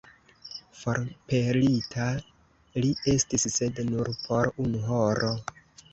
Forpelita li estis, sed nur por unu horo.